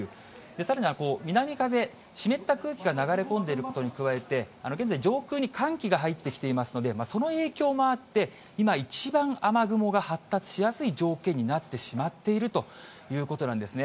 さらには南風、湿った空気が流れ込んでいることに加えて、現在、上空に寒気が入ってきていますので、その影響もあって、今一番、雨雲が発達しやすい条件になってしまっているということなんですね。